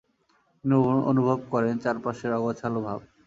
তিনি অনুভব করেন চারপাশের অগোছালো ভাব।